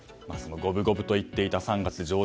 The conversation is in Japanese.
五分五分と言っていた３月上旬。